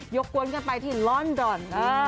กวนกันไปที่ลอนดอน